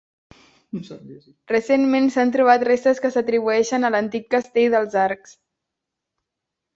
Recentment s'han trobat restes que s'atribueixen a l'antic Castell dels Arcs.